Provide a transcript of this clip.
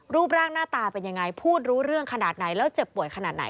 รูปร่างหน้าตาเป็นยังไงพูดรู้เรื่องขนาดไหนแล้วเจ็บป่วยขนาดไหน